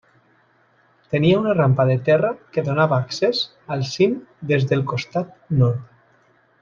Tenia una rampa de terra que donava accés al cim des del costat nord.